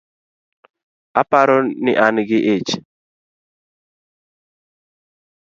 Aparo ni an gi ich